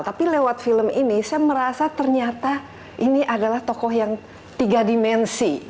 tapi lewat film ini saya merasa ternyata ini adalah tokoh yang tiga dimensi